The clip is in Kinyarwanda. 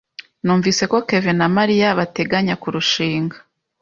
Numvise ko Kevin na Mariya bateganya kurushinga.